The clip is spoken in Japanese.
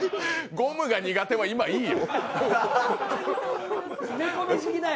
ゴムが苦手は今いいよ。